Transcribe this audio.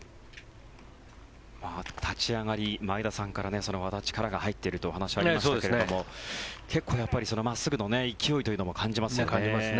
立ち上がり、前田さんからその和田、力が入っているというお話がありましたが結構、真っすぐの勢いというのも感じますよね。